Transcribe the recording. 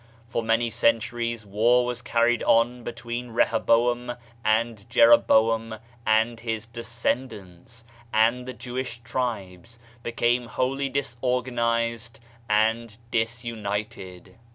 For many cenmries, war was carried on between Reho boam and Jeroboam and his descendants, and the Jewish tribes became wholly disorganized and disunited.